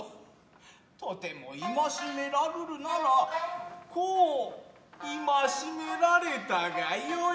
とても縛めらるるならこう縛められたがよい。